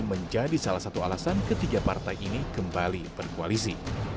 menjadi salah satu alasan ketiga partai ini kembali berkoalisi